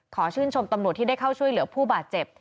ขอชื่นชมตำรวจที่ได้เข้าช่วยเหลือผู้บาดเจ็บ